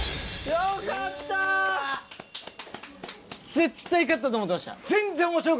絶対勝ったと思ってました。